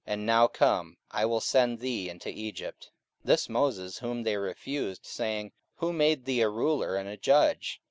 And now come, I will send thee into Egypt. 44:007:035 This Moses whom they refused, saying, Who made thee a ruler and a judge?